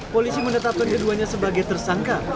polisi menetapkan keduanya sebagai tersangka